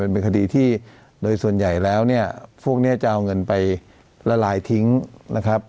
เป็นคดีที่โดยส่วนใหญ่แล้วเนี่ยพวกนี้จะเอาเงินไปละลายทิ้งนะครับ